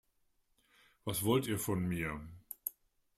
Was wollt ihr von mir?